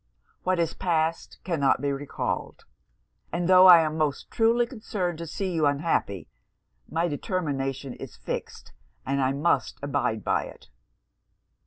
What is past cannot be recalled; and tho' I am most truly concerned to see you unhappy, my determination is fixed and I must abide by it.'